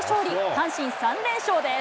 阪神、３連勝です。